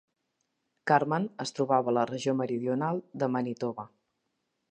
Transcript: Carman es trobava a la regió meridional de Manitoba.